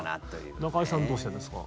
中居さんはどうしてるんですか？